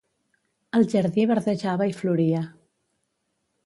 El jardí verdejava i floria.